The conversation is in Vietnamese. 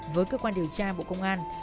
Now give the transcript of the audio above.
với cơ quan điều tra bộ công an